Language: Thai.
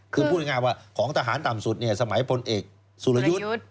คือพูดง่ายว่าของทหารต่ำสุดสมัยพลเอกสุรยุทธ์